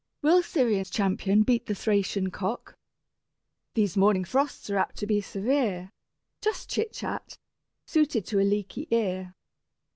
"Will Syria's champion beat the Thracian cock?" "These morning frosts are apt to be severe;" Just chit chat, suited to a leaky ear.